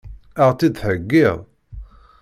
Ad ɣ-tt-id-theggiḍ?